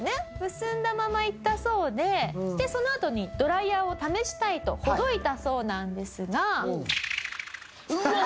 結んだまま行ったそうでそのあとにドライヤーを試したいとほどいたそうなんですが。